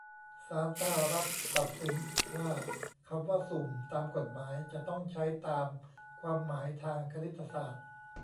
ศาลสหรัฐตัดสินว่า คำว่า "สุ่ม" ตามกฎหมาย จะต้องใช้ตามความหมายทางคณิตศาสตร์